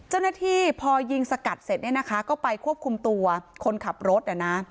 เจ้าหน้าที่พอยิงสกัดเสร็จเนี่ยนะคะก็ไปควบคุมตัวคนขับรถ